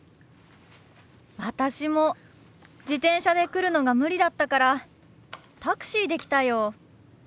私も自転車で来るのが無理だったからタクシーで来たよ。